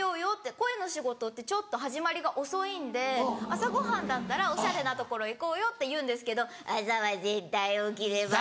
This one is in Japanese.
声の仕事ってちょっと始まりが遅いんで朝ご飯だったらおしゃれなところ行こうよって言うんですけど「朝は絶対起きれません」。